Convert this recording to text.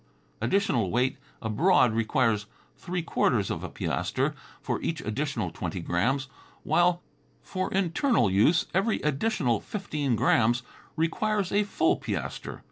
Additional weight abroad requires three quarters of a piaster for each additional twenty grams, while for internal use every additional fifteen grams requires a full piaster.